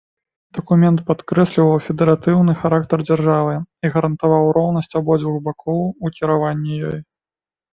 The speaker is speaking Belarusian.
Дакумент падкрэсліваў федэратыўны характар дзяржавы і гарантаваў роўнасць абодвух бакоў у кіраванні ёю.